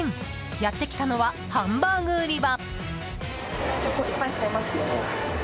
やってきたのはハンバーグ売り場。